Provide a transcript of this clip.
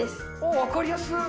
分かりやすっ！